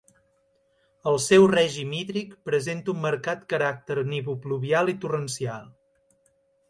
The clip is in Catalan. El seu règim hídric presenta un marcat caràcter nivopluvial i torrencial.